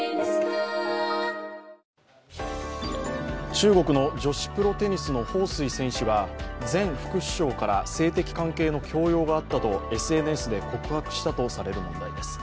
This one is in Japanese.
中国の女子プロテニスの彭帥選手が前副首相から性的関係の強要があったとＳＮＳで告白したとされる問題です。